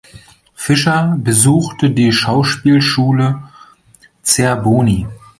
Fischer besuchte die Schauspielschule Zerboni.